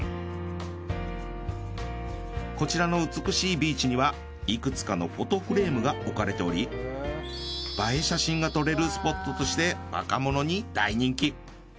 こちらの美しいビーチにはいくつかのフォトフレームが置かれており映え写真が撮れるスポットとして若者に大人気。